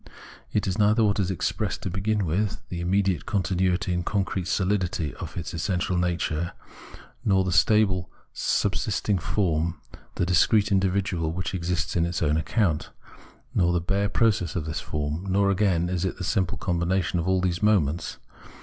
It is neither what is expressed to begin with, the immediate continuity and concrete sohdity of its essential nature ; nor the stable, subsisting form, the discrete indi vidual which exists on its own account ; nor the bare process of this form ; nor again is it the simple combina tion of all these moments.